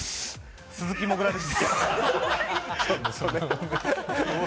鈴木もぐらです。